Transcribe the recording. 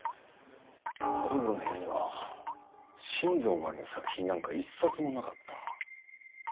田所の部屋には新道真理の作品なんか一冊もなかった。